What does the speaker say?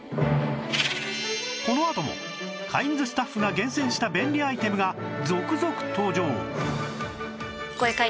このあともカインズスタッフが厳選した便利アイテムが続々登場！